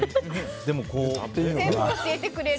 全部教えてくれる。